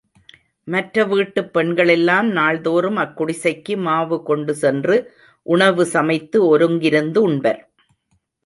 மற்ற வீட்டுப் பெண்களெல்லாம் நாள்தோறும் அக்குடிசைக்கு மாவு கொண்டு சென்று, உணவு சமைத்து ஒருங்கிருந்து உண்பர்.